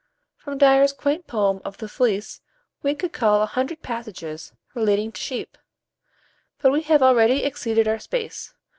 From Dyer's quaint poem of "The Fleece" we could cull a hundred passages relating to sheep; but we have already exceeded our space.